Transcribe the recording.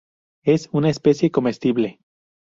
Es una especie comestible.